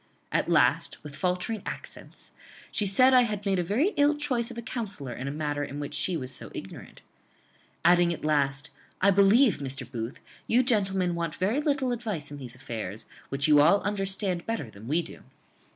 At last, with faltering accents, she said I had made a very ill choice of a counsellor in a matter in which she was so ignorant. Adding, at last, 'I believe, Mr. Booth, you gentlemen want very little advice in these affairs, which you all understand better than we do.